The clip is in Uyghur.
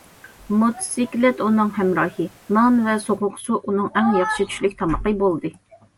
موتوسىكلىت ئۇنىڭ ھەمراھى، نان ۋە سوغۇق سۇ ئۇنىڭ ئەڭ ياخشى چۈشلۈك تامىقى بولدى.